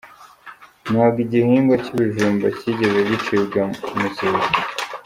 Ntabwo igihingwa cy’ibijumba kigeze gicibwa Muzuka